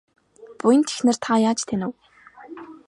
Буянт эхнэр та яаж танив?